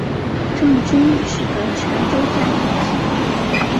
郑军取得泉州战役的胜利。